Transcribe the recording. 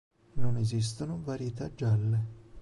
Non esistono varietà gialle.